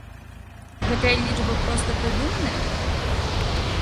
Гэтая лічба проста прыдуманая?